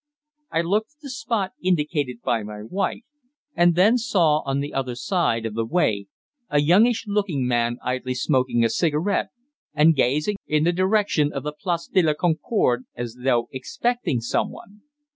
I looked at the spot indicated by my wife, and then saw on the other side of the way a youngish looking man idly smoking a cigarette and gazing in the direction of the Place de la Concorde, as though expecting some one.